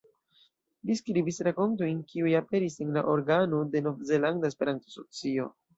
Li skribis rakontojn kiuj aperis en la organo de Novzelanda Esperanto-Asocio.